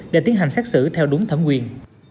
để tiến hành xét xử theo đúng thẩm quyền